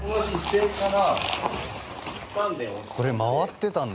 これ回ってたんだ。